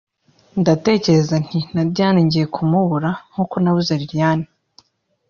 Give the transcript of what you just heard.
ndatekereza nti na Diane ngiye kumubura nk’uko nabuze Liliane